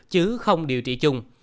chứ không điều trị chung